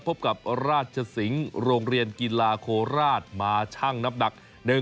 พบกับราชสิงศ์โรงเรียนกีฬาโคราชมาชั่งน้ำหนัก